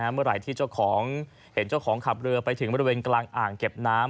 เมื่อไหร่ที่เจ้าของเห็นเจ้าของขับเรือไปถึงบริเวณกลางอ่างเก็บน้ำ